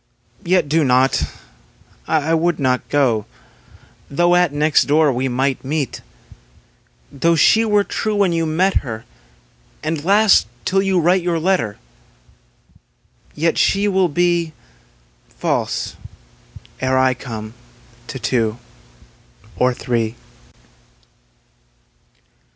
Yet do not; I would not go, Though at next door we might meet Though she were true when you met her. And last till you write your letter. Yet she Will be False, ere I come, to two or three.